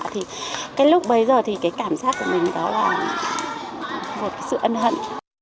thì cái lúc bấy giờ thì cái cảm giác của mình đó là một sự ân hận